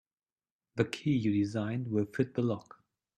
The key you designed will fit the lock.